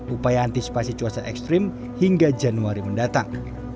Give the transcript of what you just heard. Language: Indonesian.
upaya antisipasi cuaca ekstrim hingga januari mendatang